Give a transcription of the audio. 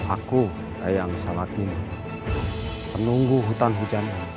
aku ayang salatin penunggu hutan hujan